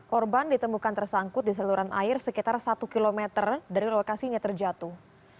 korban ditemukan tersangkut di saluran air sekitar satu km dari lokasinya terjatuh